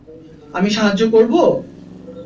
আমি সাহায্য করব?